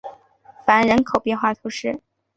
凡人口变化图示